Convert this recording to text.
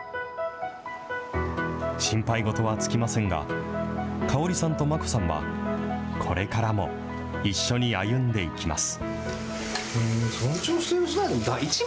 心配事は尽きませんが、香織さんとマコさんは、これからも一緒に歩んでいきます。